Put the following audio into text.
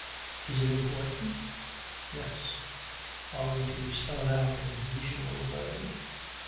Is it important? Yes. Are we to spell it out in the usual way?